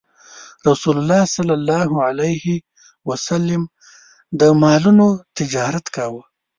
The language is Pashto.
رسول الله ﷺ د مالونو تجارت کاوه.